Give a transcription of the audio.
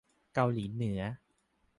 เกาหลีเหนือ